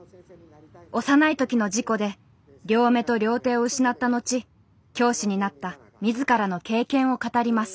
幼い時の事故で両目と両手を失った後教師になった自らの経験を語ります。